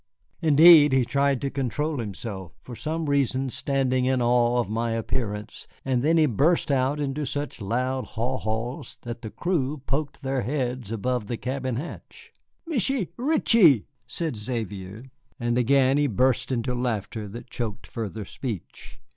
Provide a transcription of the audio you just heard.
Indeed, he tried to control himself, for some reason standing in awe of my appearance, and then he burst out into such loud haw haws that the crew poked their heads above the cabin hatch. "Michié Reetchie," said Xavier, and again he burst into laughter that choked further speech.